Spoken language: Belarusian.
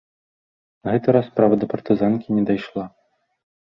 На гэты раз справа да партызанкі не дайшла.